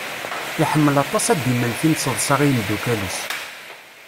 Iḥemmel aṭas ad d-imel timṣeḍsa i yimeddukal-is.